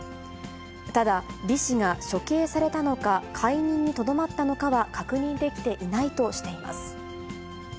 ただ、リ氏が処刑されたのか解任にとどまったのかは確認できていないとしています。